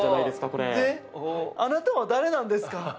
であなたは誰なんですか？